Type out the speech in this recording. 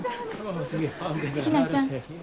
ひなちゃん。